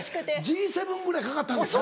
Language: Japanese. Ｇ７ぐらいかかったんですか。